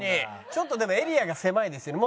ちょっとでもエリアが狭いですね。